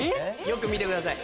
よく見てください。